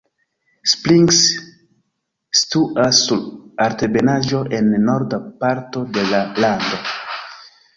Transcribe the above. Springs situas sur altebenaĵo en norda parto de la lando.